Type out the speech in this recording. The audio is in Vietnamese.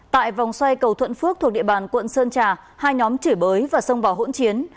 tại vòng xoay cầu thuận phước thuộc địa bàn quận sơn trà hai nhóm chửi bới và xông vào hỗn chiến